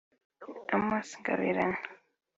Amos Ngabirano